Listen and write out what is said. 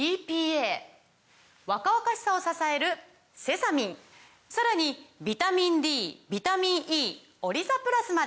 若々しさを支えるセサミンさらにビタミンＤビタミンＥオリザプラスまで！